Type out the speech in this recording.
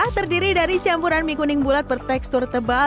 terdiri dari campuran mie kuning bulat bertekstur tebal